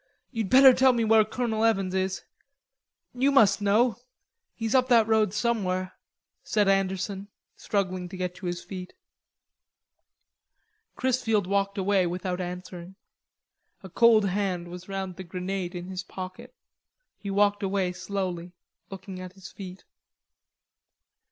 "You'ld better tell me where Colonel Evans is.... You must know.... He's up that road somewhere," said Anderson, struggling to get to his feet. Chrisfield walked away without answering. A cold hand was round the grenade in his pocket. He walked away slowly, looking at his feet.